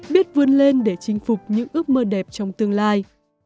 biết vươn lên để chinh phục những ước mơ đẹp trong tương lai